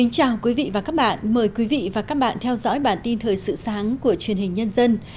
chào mừng quý vị đến với bản tin thời sự sáng của truyền hình nhân dân